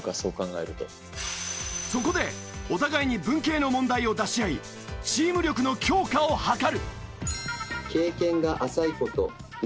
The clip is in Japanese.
そこでお互いに文系の問題を出し合いチーム力の強化を図る！